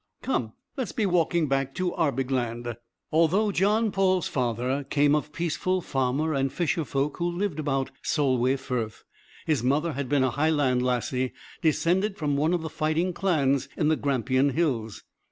Come, let's be walking back to Arbigland." Although John Paul's father came of peaceful farmer and fisher folk who lived about Solway Firth, his mother had been a "Highland lassie," descended from one of the fighting clans in the Grampian Hills.